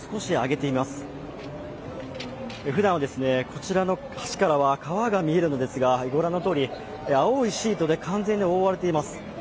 ふだんはこちらの橋からは川が見えるのですがご覧のとおり青いシートで完全に覆われています。